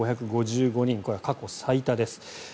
これは過去最多です。